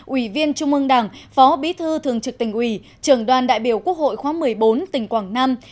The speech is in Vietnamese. ủy viên trung ương đảng phó bí thư thường trực tỉnh ủy trưởng đoàn đại biểu quốc hội khóa một mươi bốn tỉnh quảng nam